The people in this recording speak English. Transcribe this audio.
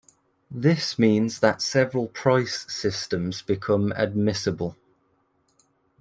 This means that several price systems become admissible.